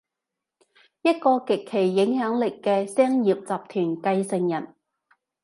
一個極具影響力嘅商業集團繼承人